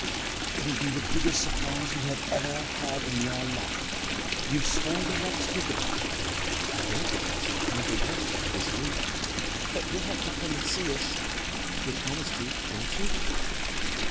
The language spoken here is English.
'It'll be the biggest surprise you ever had in your life. You've swore you won't speak about it. I don't think I shall come to work after this week—but you'll have to come an' see us. You'll promise to, won't you?